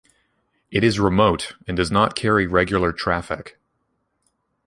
It is remote and does not carry regular traffic.